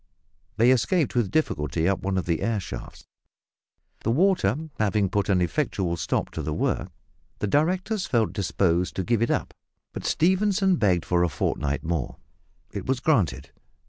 They escaped with difficulty up one of the air shafts. The water having put an effectual stop to the work, the directors felt disposed to give it up, but Stephenson begged for a fortnight more. It was granted.